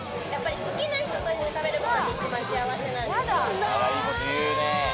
好きな人と一緒に食べるのが一番幸せなんで。